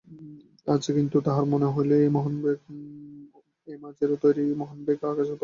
আজ কিন্তু তাহাব মনে হইল এ মোহনভোগে আর মাযের তৈয়ারি মোহনভোগে আকাশ-পাতাল তফাত!